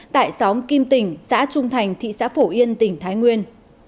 tại xóm kim tỉnh xã trung thành thị xã phổ yên tỉnh thái nguyên